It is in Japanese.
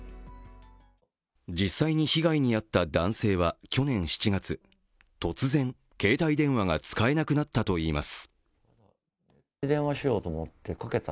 実際に被害に遭った男性は去年７月突然、携帯電話が使えなくなったといいます。